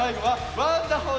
ワンダホー！